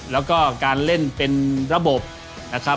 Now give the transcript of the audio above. แล้วก็การเล่นเป็นระบบนะครับ